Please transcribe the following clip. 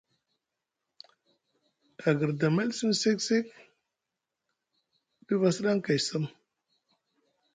A guirda emel sini sek sek ɗif a sidaŋ kay sam.